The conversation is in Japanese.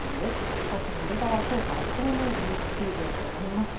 ２つの売り場は今日から当面、臨時休業となりました。